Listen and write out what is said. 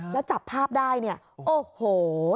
แล้วจับภาพได้เนี่ยโอ้โห